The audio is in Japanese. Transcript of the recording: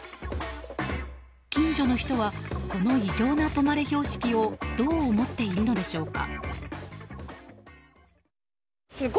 近所の人はこの異常な「止まれ」標識をどう思っているのでしょうか。